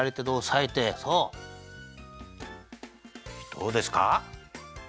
どうですか？